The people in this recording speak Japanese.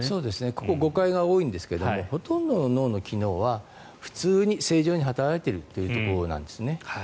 ここ、誤解が多いんですがほとんどの脳の機能は普通に正常に働いているというところなんです。